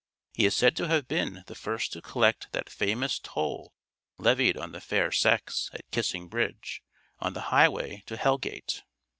He is said to have been the first to collect that famous toll levied on the fair sex at Kissing Bridge, on the highway to Hell gate.